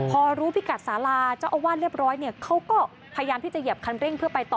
พอรู้พิกัดสาราเจ้าอาวาสเรียบร้อยเนี่ยเขาก็พยายามที่จะเหยียบคันเร่งเพื่อไปต่อ